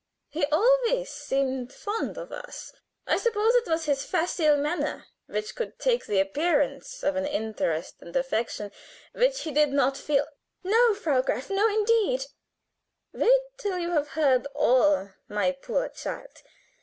He always seemed fond of us. I suppose it was his facile manner, which could take the appearance of an interest and affection which he did not feel " "No, Frau Gräfin! no, indeed!" "Wait till you have heard all, my poor child.